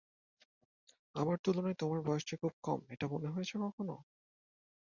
আমার তুলনায় তোমার বয়স যে খুব কম এটা মনে হয়েছে কখনো?